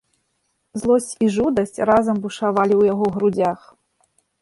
Злосць і жудасць разам бушавалі ў яго грудзях.